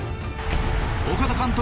岡田監督